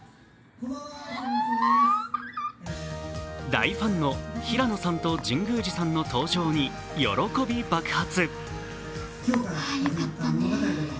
大ファンの平野さんと神宮寺さんの登場に喜び爆発。